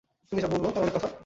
তুমি যা বল তার অনেক কথা।